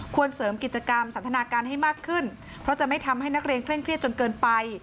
เสริมกิจกรรมสันทนาการให้มากขึ้นเพราะจะไม่ทำให้นักเรียนเคร่งเครียดจนเกินไป